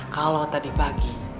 kalau tadi pagi